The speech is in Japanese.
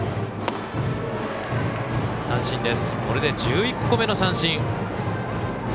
これで１１個目の三振。